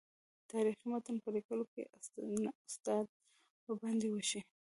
تاریخي متن په لیکلو کې استناد ورباندې وشي.